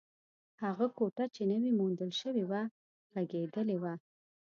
هغه کوټه چې نوې موندل شوې وه، غږېدلې وه.